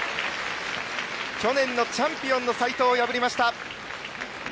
去年のチャンピオンの齊藤を破りました。